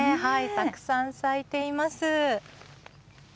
たくさん咲いています。